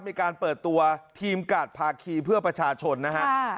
มีการเปิดตัวทีมกาดภาคีเพื่อประชาชนนะฮะ